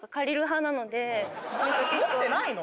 持ってないの？